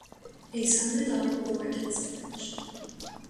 A son and a daughter were born to this marriage.